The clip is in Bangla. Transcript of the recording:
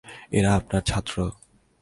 এরা আপনার ছাত্র?